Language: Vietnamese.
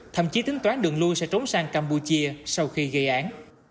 thậm chí tính toán đường lui sẽ trốn sang campuchia sau khi gây án